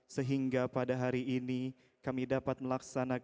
sehingga pada hari ini kami dapat melaksanakan